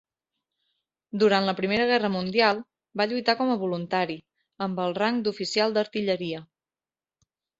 Durant la Primera Guerra Mundial, va lluitar com a voluntari, amb el rang d'oficial d'artilleria.